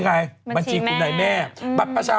คุณหมอโดนกระช่าคุณหมอโดนกระช่า